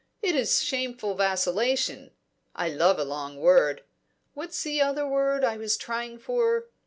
It is shameful vacillation I love a long word What's the other word I was trying for?